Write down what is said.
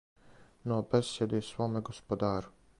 Но бесједи своме господару: